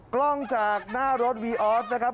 กล้องจากหน้ารถวีออสนะครับ